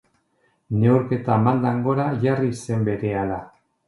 Neurketa maldan gora jarri zen berehala.